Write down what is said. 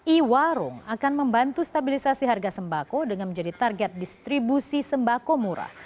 i warung akan membantu stabilisasi harga sembako dengan menjadi target distribusi sembako murah